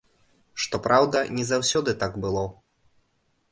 Што праўда, не заўсёды так было.